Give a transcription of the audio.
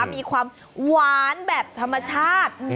มีความหวานแบบธรรมชาติ